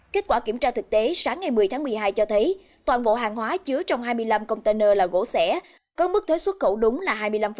kết quả kiểm tra thực tế sáng ngày một mươi tháng một mươi hai cho thấy toàn bộ hàng hóa chứa trong hai mươi năm container là gỗ xẻ có mức thuế xuất khẩu đúng là hai mươi năm